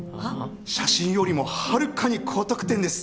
写真よりもはるかに高得点です！